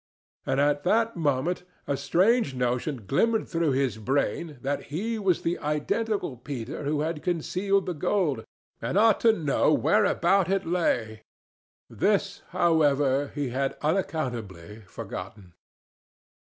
And at that moment a strange notion glimmered through his brain that he was the identical Peter who had concealed the gold, and ought to know whereabout it lay. This, however, he had unaccountably forgotten.